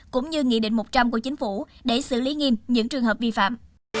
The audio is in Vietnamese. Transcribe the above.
cũng như nghị định một trăm linh của chính phủ để xử lý nghiêm những trường hợp vi phạm